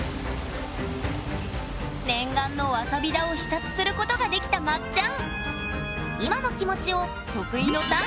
念願のわさび田を視察することができたまっちゃん！